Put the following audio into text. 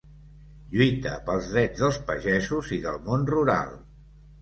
Lluita pels drets dels pagesos i del món rural.